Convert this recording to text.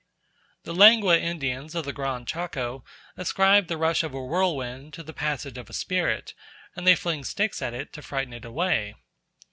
The Lengua Indians of the Gran Chaco ascribe the rush of a whirl wind to the passage of a spirit and they fling sticks at it to frighten it away.